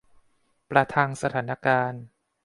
ประทังสถานการณ์